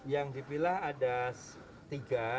yang dipilah ada tiga